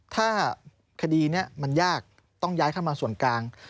ถ้าคดีนี้มันยากต้องย้ายเข้ามาส่วนกลาง